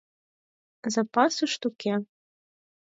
Запасышт уке.